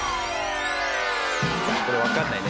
これわかんないね。